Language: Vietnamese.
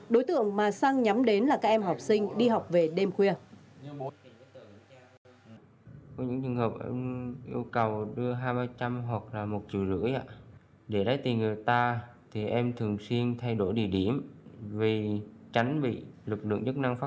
đối tượng mà sang nhắm đến là các em học sinh đi học về đêm khuya